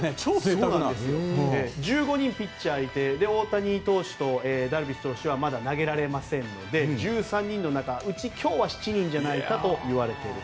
１５人ピッチャーがいて大谷投手とダルビッシュ投手はまだ投げられないので１３人のうち今日は７人じゃないかと言われていて。